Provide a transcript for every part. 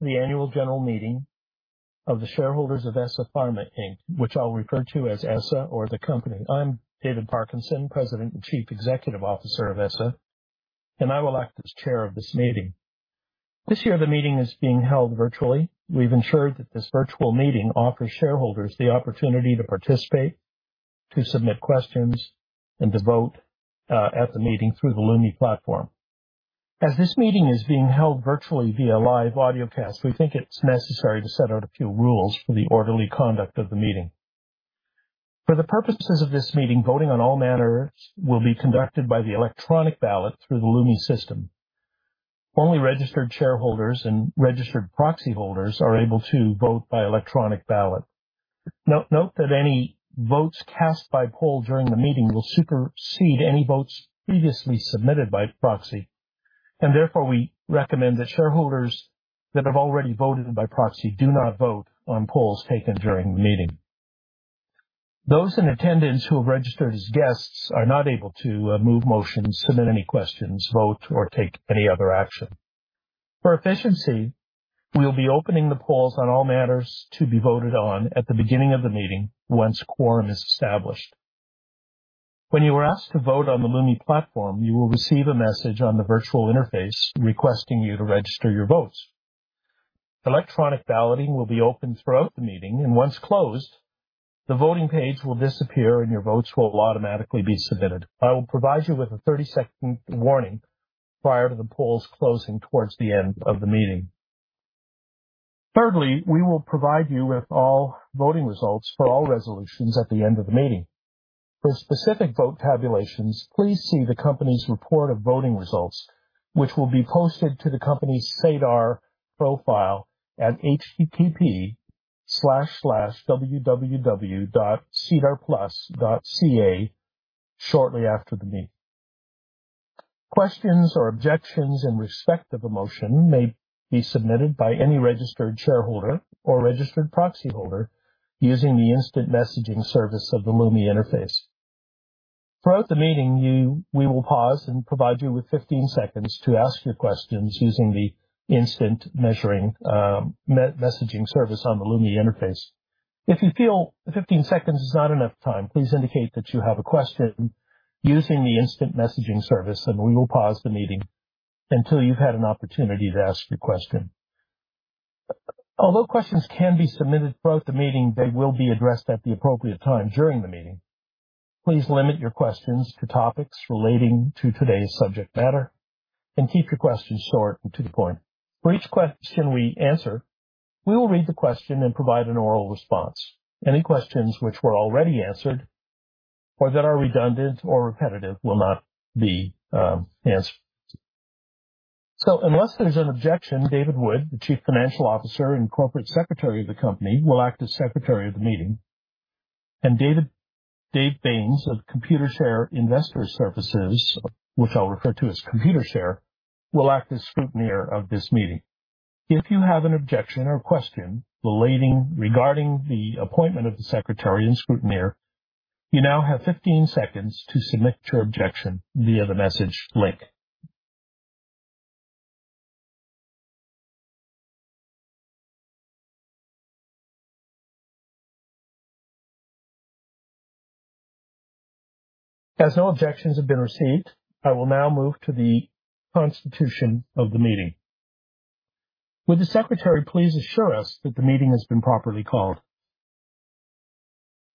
The annual general meeting of the shareholders of ESSA Pharma Inc., which I'll refer to as ESSA or the company. I'm David Parkinson, President and Chief Executive Officer of ESSA, and I will act as chair of this meeting. This year the meeting is being held virtually. We've ensured that this virtual meeting offers shareholders the opportunity to participate, to submit questions, and to vote, at the meeting through the Lumi platform. As this meeting is being held virtually via live audiocast, we think it's necessary to set out a few rules for the orderly conduct of the meeting. For the purposes of this meeting, voting on all matters will be conducted by the electronic ballot through the LumiSystem. Only registered shareholders and registered proxy holders are able to vote by electronic ballot. Note that any votes cast by poll during the meeting will supersede any votes previously submitted by proxy, and therefore we recommend that shareholders that have already voted by proxy do not vote on polls taken during the meeting. Those in attendance who have registered as guests are not able to move motions, submit any questions, vote, or take any other action. For efficiency, we'll be opening the polls on all matters to be voted on at the beginning of the meeting once quorum is established. When you are asked to vote on the Lumi platform, you will receive a message on the virtual interface requesting you to register your votes. Electronic balloting will be open throughout the meeting, and once closed, the voting page will disappear and your votes will automatically be submitted. I will provide you with a 30-second warning prior to the polls closing towards the end of the meeting. Thirdly, we will provide you with all voting results for all resolutions at the end of the meeting. For specific vote tabulations, please see the company's report of voting results, which will be posted to the company's SEDAR+ profile at http://www.sedarplus.ca shortly after the meeting. Questions or objections in respect of a motion may be submitted by any registered shareholder or registered proxy holder using the instant messaging service of the Lumi interface. Throughout the meeting, we will pause and provide you with 15 seconds to ask your questions using the instant messaging service on the Lumi interface. If you feel 15 seconds is not enough time, please indicate that you have a question using the instant messaging service and we will pause the meeting until you've had an opportunity to ask your question. Although questions can be submitted throughout the meeting, they will be addressed at the appropriate time during the meeting. Please limit your questions to topics relating to today's subject matter and keep your questions short and to the point. For each question we answer, we will read the question and provide an oral response. Any questions which were already answered or that are redundant or repetitive will not be answered. Unless there's an objection, David Wood, the Chief Financial Officer and Corporate Secretary of the company, will act as secretary of the meeting. David Baines of Computershare Investor Services, which I'll refer to as Computershare, will act as scrutineer of this meeting. If you have an objection or question relating regarding the appointment of the secretary and scrutineer, you now have 15 seconds to submit your objection via the message link. As no objections have been received, I will now move to the constitution of the meeting. Would the secretary please assure us that the meeting has been properly called?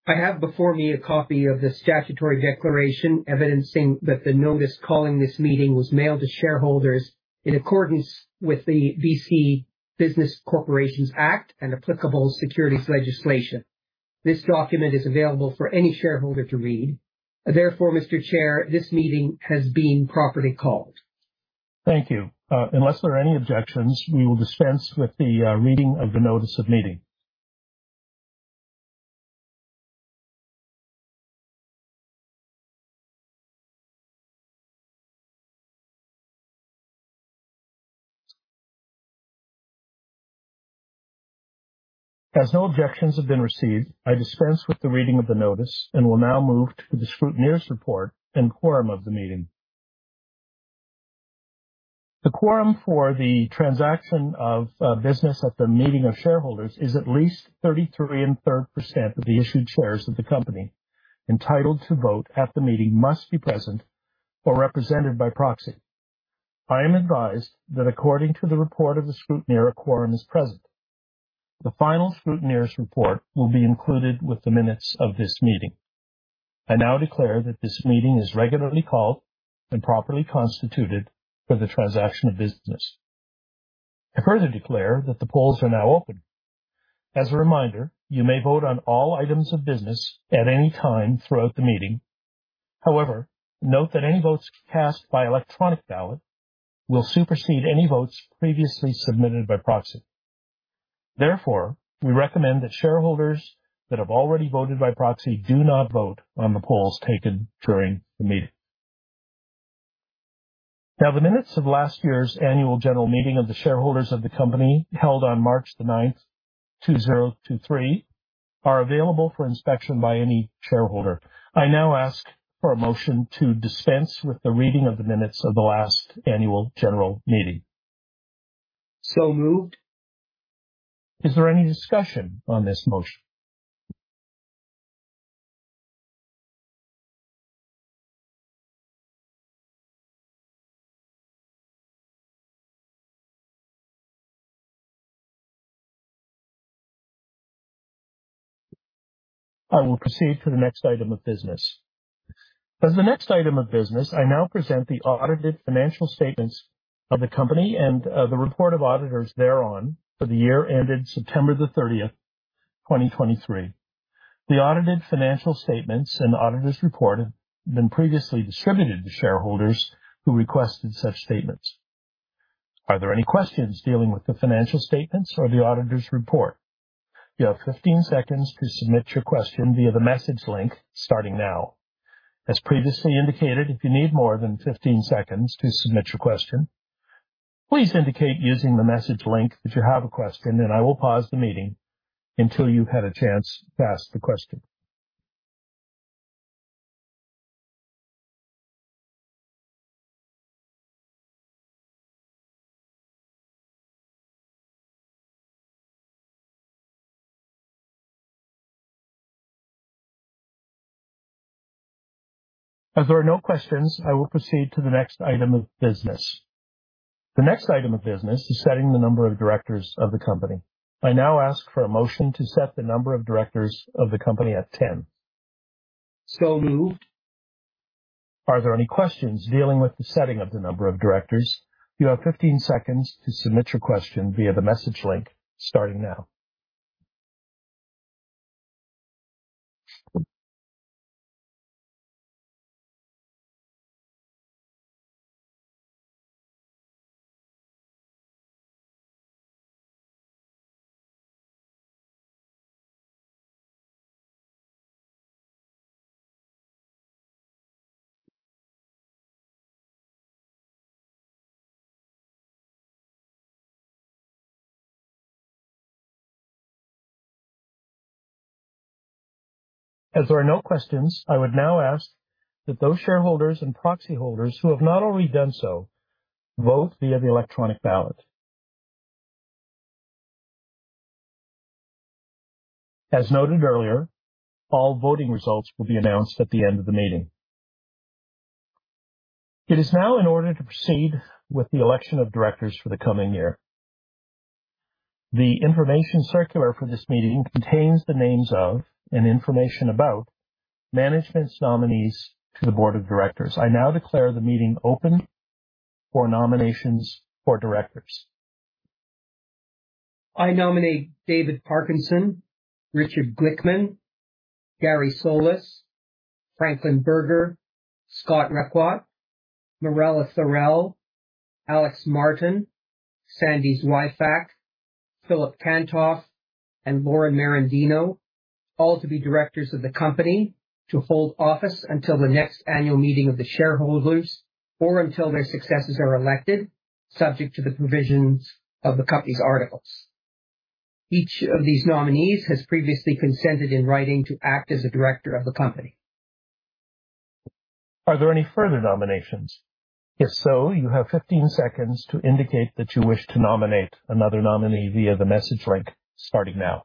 I have before me a copy of the statutory declaration evidencing that the notice calling this meeting was mailed to shareholders in accordance with the BC Business Corporations Act and applicable securities legislation. This document is available for any shareholder to read. Therefore, Mr. Chair, this meeting has been properly called. Thank you. Unless there are any objections, we will dispense with the reading of the notice of meeting. As no objections have been received, I dispense with the reading of the notice and will now move to the scrutineer's report and quorum of the meeting. The quorum for the transaction of business at the meeting of shareholders is at least 33 1/3% of the issued shares of the company entitled to vote at the meeting must be present or represented by proxy. I am advised that according to the report of the scrutineer, a quorum is present. The final scrutineer's report will be included with the minutes of this meeting. I now declare that this meeting is regularly called and properly constituted for the transaction of business. I further declare that the polls are now open. As a reminder, you may vote on all items of business at any time throughout the meeting. However, note that any votes cast by electronic ballot will supersede any votes previously submitted by proxy. Therefore, we recommend that shareholders that have already voted by proxy do not vote on the polls taken during the meeting. Now, the minutes of last year's annual general meeting of the shareholders of the company held on March 9, 2023, are available for inspection by any shareholder. I now ask for a motion to dispense with the reading of the minutes of the last annual general meeting. So moved. Is there any discussion on this motion? I will proceed to the next item of business. As the next item of business, I now present the audited financial statements of the company and the report of auditors thereon for the year ended September the 30th, 2023. The audited financial statements and auditor's report have been previously distributed to shareholders who requested such statements. Are there any questions dealing with the financial statements or the auditor's report? You have 15 seconds to submit your question via the message link starting now. As previously indicated, if you need more than 15 seconds to submit your question, please indicate using the message link that you have a question and I will pause the meeting until you've had a chance to ask the question. As there are no questions, I will proceed to the next item of business. The next item of business is setting the number of directors of the company. I now ask for a motion to set the number of directors of the company at 10. So moved. Are there any questions dealing with the setting of the number of directors? You have 15 seconds to submit your question via the message link starting now. As there are no questions, I would now ask that those shareholders and proxy holders who have not already done so vote via the electronic ballot. As noted earlier, all voting results will be announced at the end of the meeting. It is now in order to proceed with the election of directors for the coming year. The information circular for this meeting contains the names of and information about management's nominees to the board of directors. I now declare the meeting open for nominations for directors. I nominate David Parkinson, Richard Glickman, Gary Slatko, Franklin Berger, Scott Requadt, Marella Thorell, Alex Martin, Sandy Zweifach, Philip Kantoff, and Lauren Merendino, all to be directors of the company to hold office until the next annual meeting of the shareholders or until their successors are elected, subject to the provisions of the company's articles. Each of these nominees has previously consented in writing to act as a director of the company. Are there any further nominations? If so, you have 15 seconds to indicate that you wish to nominate another nominee via the message link starting now.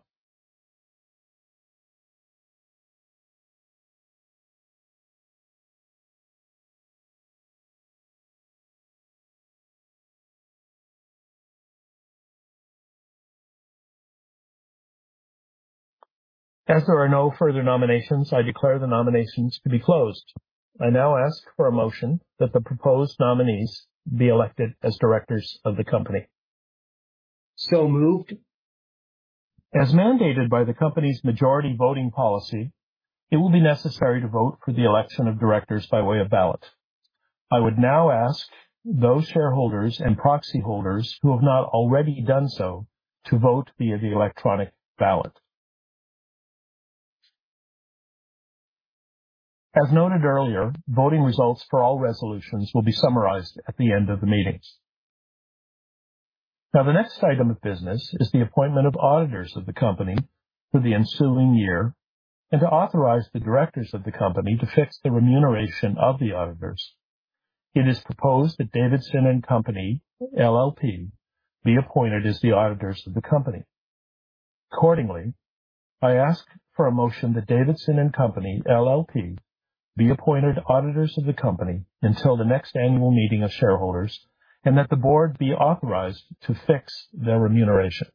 As there are no further nominations, I declare the nominations to be closed. I now ask for a motion that the proposed nominees be elected as directors of the company. So moved. As mandated by the company's majority voting policy, it will be necessary to vote for the election of directors by way of ballot. I would now ask those shareholders and proxy holders who have not already done so to vote via the electronic ballot. As noted earlier, voting results for all resolutions will be summarized at the end of the meetings. Now, the next item of business is the appointment of auditors of the company for the ensuing year and to authorize the directors of the company to fix the remuneration of the auditors. It is proposed that Davidson & Company LLP be appointed as the auditors of the company. Accordingly, I ask for a motion that Davidson & Company LLP be appointed auditors of the company until the next annual meeting of shareholders and that the board be authorized to fix their remuneration.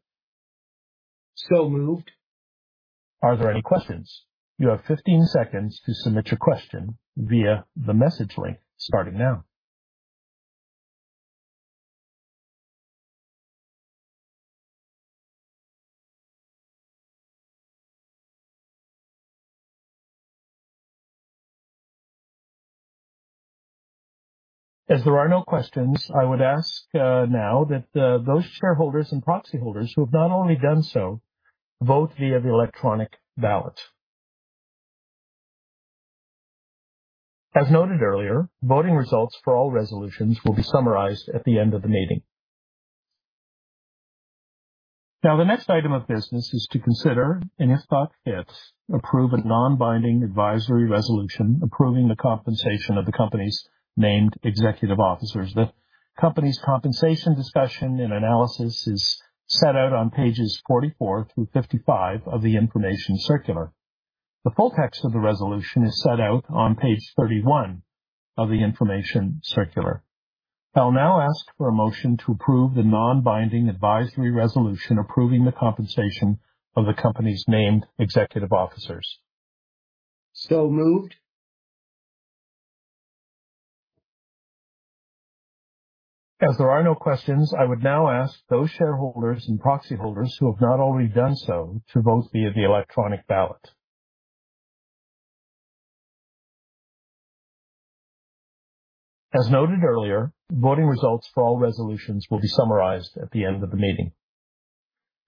So moved. Are there any questions? You have 15 seconds to submit your question via the message link starting now. As there are no questions, I would ask, now that, those shareholders and proxy holders who have not already done so vote via the electronic ballot. As noted earlier, voting results for all resolutions will be summarized at the end of the meeting. Now, the next item of business is to consider and, if thought fit, approve a non-binding advisory resolution approving the compensation of the company's named executive officers. The company's compensation discussion and analysis is set out on pages 44-55 of the information circular. The full text of the resolution is set out on page 31 of the information circular. I'll now ask for a motion to approve the non-binding advisory resolution approving the compensation of the company's named executive officers. So moved. As there are no questions, I would now ask those shareholders and proxy holders who have not already done so to vote via the electronic ballot. As noted earlier, voting results for all resolutions will be summarized at the end of the meeting.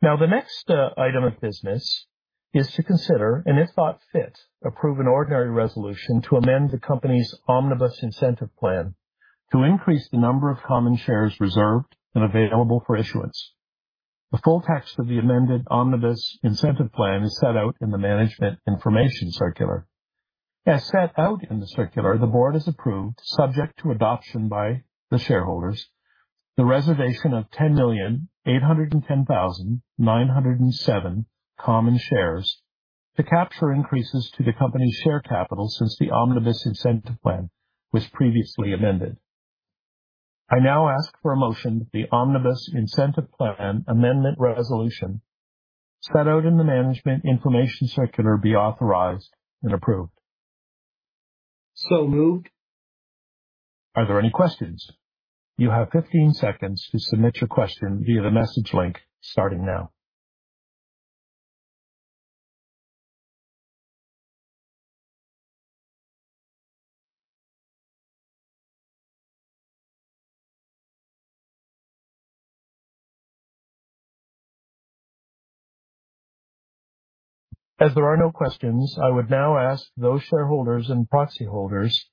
Now, the next item of business is to consider and, if thought fit, approve an ordinary resolution to amend the company's Omnibus Incentive Plan to increase the number of common shares reserved and available for issuance. The full text of the amended Omnibus Incentive Plan is set out in the Management Information Circular. As set out in the circular, the board has approved, subject to adoption by the shareholders, the reservation of 10,810,907 common shares to capture increases to the company's share capital since the Omnibus Incentive Plan was previously amended. I now ask for a motion that the Omnibus Incentive Plan amendment resolution set out in the Management Information Circular be authorized and approved. So moved. Are there any questions? You have 15 seconds to submit your question via the message link starting now. As there are no questions, I would now ask those shareholders and proxy holders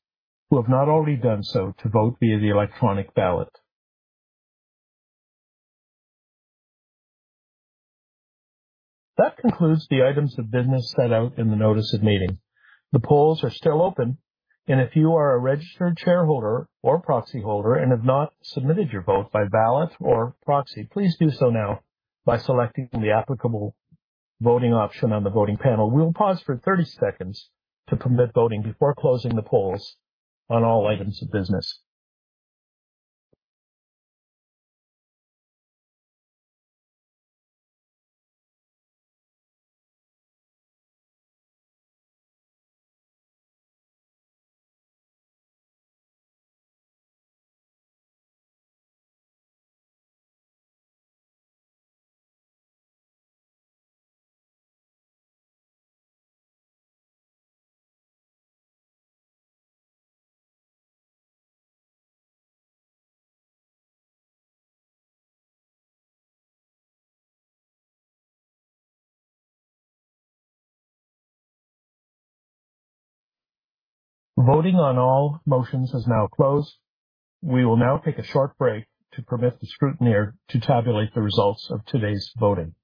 who have not already done so to vote via the electronic ballot. That concludes the items of business set out in the notice of meeting. The polls are still open. If you are a registered shareholder or proxy holder and have not submitted your vote by ballot or proxy, please do so now by selecting the applicable voting option on the voting panel. We'll pause for 30 seconds to permit voting before closing the polls on all items of business. Voting on all motions has now closed. We will now take a short break to permit the scrutineer to tabulate the results of today's voting.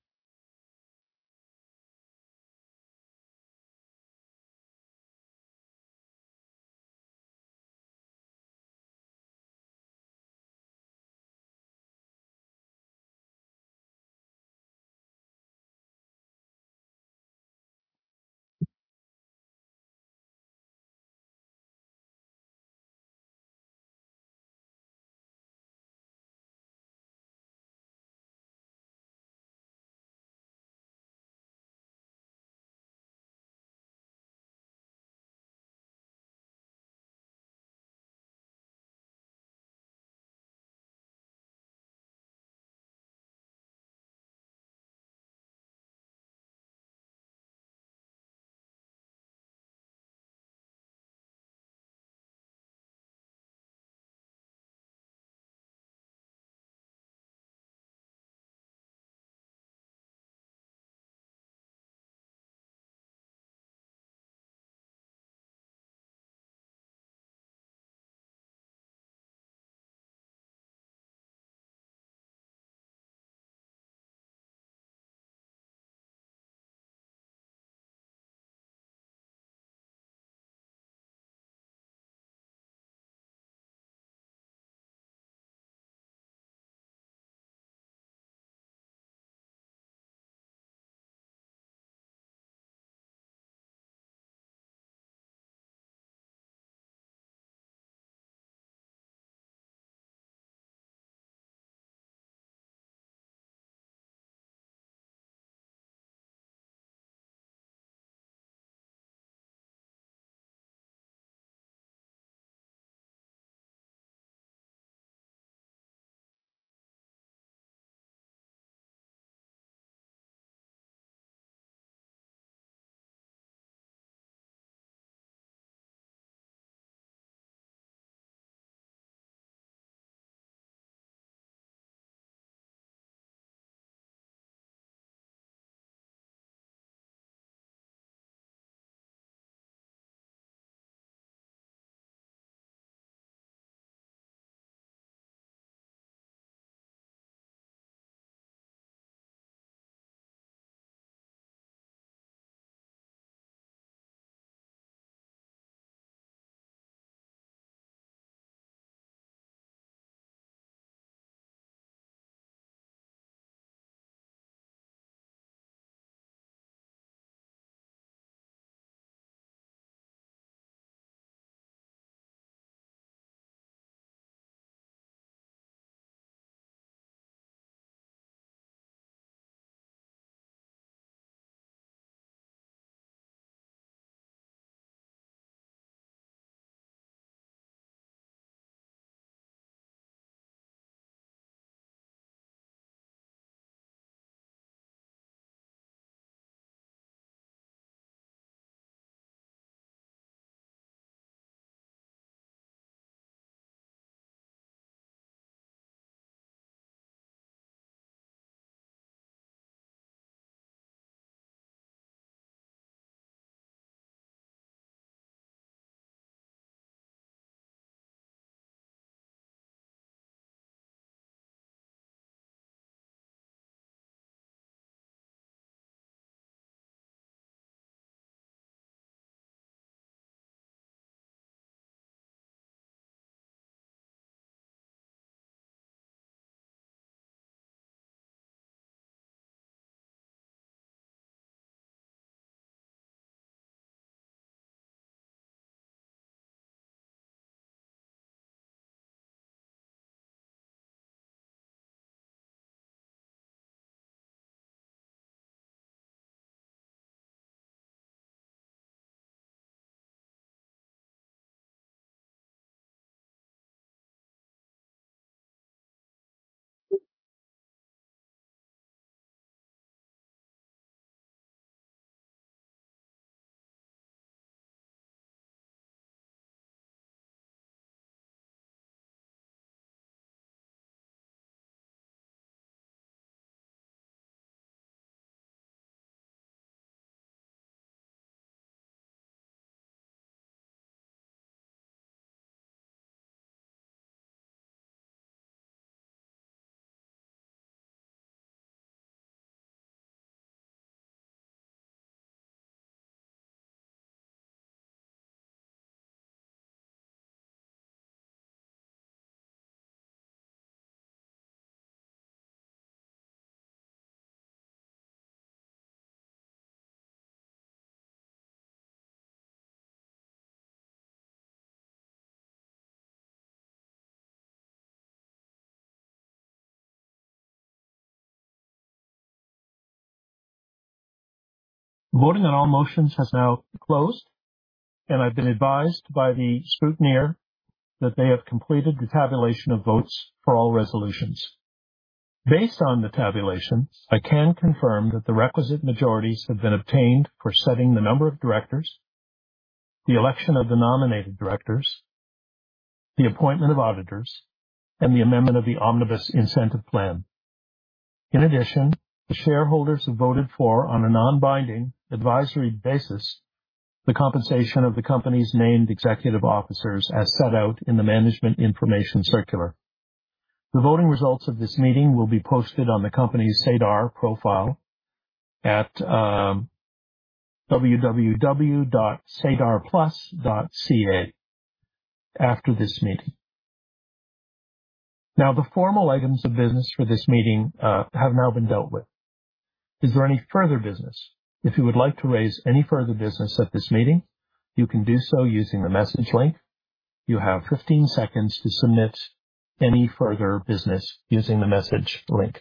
Voting on all motions has now closed. I've been advised by the scrutineer that they have completed the tabulation of votes for all resolutions. Based on the tabulation, I can confirm that the requisite majorities have been obtained for setting the number of directors, the election of the nominated directors, the appointment of auditors, and the amendment of the Omnibus Incentive Plan. In addition, the shareholders have voted for, on a non-binding advisory basis, the compensation of the company's named executive officers as set out in the Management Information Circular. The voting results of this meeting will be posted on the company's SEDAR+ profile at www.sedarplus.ca after this meeting. Now, the formal items of business for this meeting, have now been dealt with. Is there any further business? If you would like to raise any further business at this meeting, you can do so using the message link. You have 15 seconds to submit any further business using the message link.